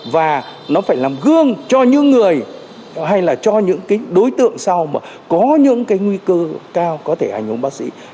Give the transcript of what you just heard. và nó phải làm gương cho những người hay là cho những cái đối tượng sau mà có những cái nguy cơ cao có thể ảnh hưởng bác sĩ